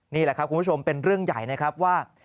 นี่แหละครับคุณผู้ชมเป็นเรื่องใหญ่นะครับว่า